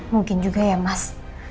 mungkin juga ya mas